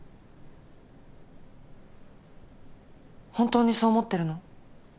本当にそう思ってるの？